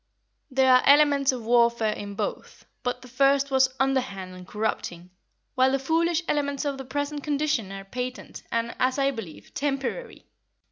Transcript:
There are elements of warfare in both, but the first was underhand and corrupting, while the foolish elements of the present condition are patent and, as I believe, temporary.